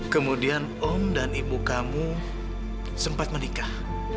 kemudian om dan ibu kamu sempat menikah